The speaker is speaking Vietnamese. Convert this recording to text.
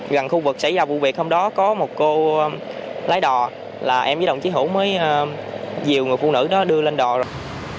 gần khu vực xảy ra vụ việc hôm đó có một cô lái đò là em với đồng chí hủ mới nhiều người phụ nữ đó đưa lên đò rồi